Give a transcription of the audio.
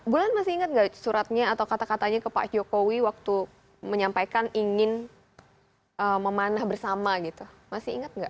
bulan masih ingat nggak suratnya atau kata katanya ke pak jokowi waktu menyampaikan ingin memanah bersama gitu masih ingat nggak